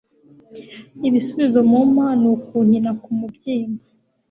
ibisubizo mumpa, ni ukunkina ku mubyimba